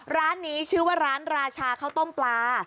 ร้านนี้ชื่อว่าร้านราชาข้าวต้มปลา